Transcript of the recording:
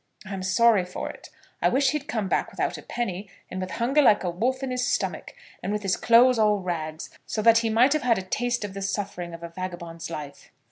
"I'm sorry for it. I wish he'd come back without a penny, and with hunger like a wolf in his stomach, and with his clothes all rags, so that he might have had a taste of the suffering of a vagabond's life."